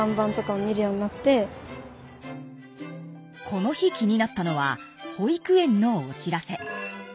この日気になったのは保育園のお知らせ。